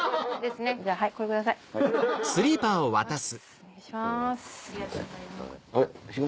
お願いします。